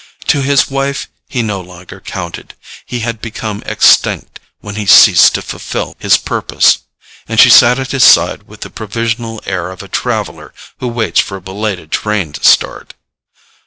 To his wife he no longer counted: he had become extinct when he ceased to fulfil his purpose, and she sat at his side with the provisional air of a traveller who waits for a belated train to start.